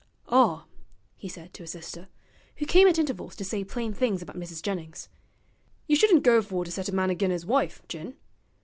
'Ah,' he said to his sister, who came at intervals to say plain things about Mrs. Jennings, 'you shouldn't go for to set a man agin 'is wife, Jin.